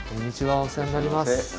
お世話になります。